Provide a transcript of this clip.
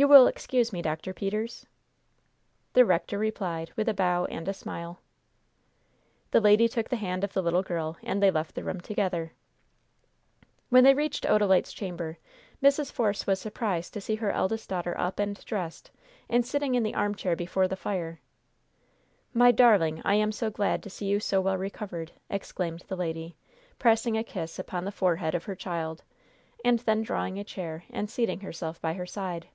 You will excuse me, Dr. Peters?" The rector replied with a bow and a smile. The lady took the hand of the little girl, and they left the room together. When they reached Odalite's chamber, Mrs. Force was surprised to see her eldest daughter up and dressed, and sitting in the armchair before the fire. "My darling, I am so glad to see you so well recovered!" exclaimed the lady, pressing a kiss upon the forehead of her child, and then drawing a chair and seating herself by her side.